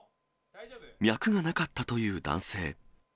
脈がなかったという男性。